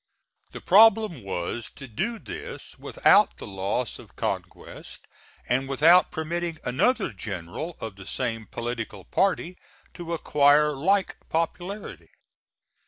The problem was to do this without the loss of conquest and without permitting another general of the same political party to acquire like popularity.